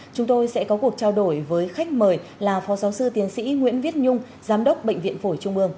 chúng tôi sẽ có cuộc trao đổi với khách mời là phó giáo sư tiến sĩ nguyễn viết nhung giám đốc bệnh viện phổi trung ương